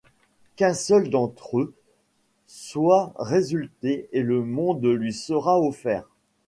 Qu'un seul d'entre eux soit résulté et le monde lui sera offert.